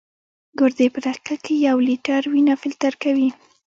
ګردې په دقیقه کې یو لیټر وینه فلټر کوي.